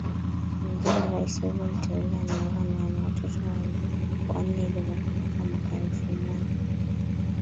injiliRais huyo mteule ameoa na ana watoto wanneJomo Kenyatta mwaka elfu moja